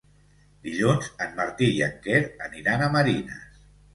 Dilluns en Martí i en Quer aniran a Marines.